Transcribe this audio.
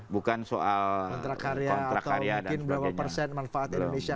bukan soal kontrak karya atau mungkin berapa persen manfaat indonesia